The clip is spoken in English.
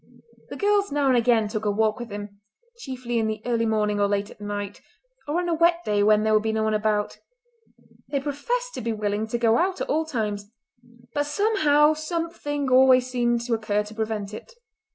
The girls now and again took a walk with him, chiefly in the early morning or late at night, or on a wet day when there would be no one about; they professed to be willing to go out at all times, but somehow something always seemed to occur to prevent it.